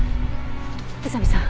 宇佐見さん